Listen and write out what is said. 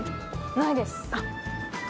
ないです。